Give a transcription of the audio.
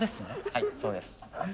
はいそうです。